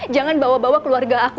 jangan bawa bawa keluarga aku